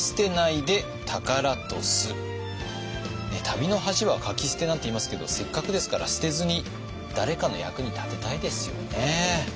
「旅の恥はかき捨て」なんていいますけどせっかくですから捨てずに誰かの役に立てたいですよね。